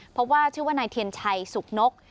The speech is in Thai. เพราะว่าชื่อว่านายเทียนชัยสุกนก